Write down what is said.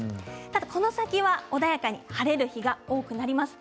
ただこの先は穏やかに晴れる日が多くなります。